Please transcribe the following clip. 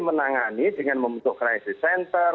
menangani dengan membentuk crisis center